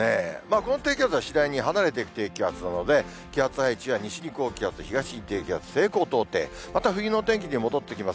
この低気圧は次第に離れていく低気圧なので、気圧配置は西に高気圧、東に低気圧、西高東低、また、冬の天気に戻ってきます。